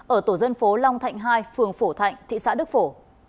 ở tổ dân phố long thạnh hai phường phổ thạnh thị xã đức phổ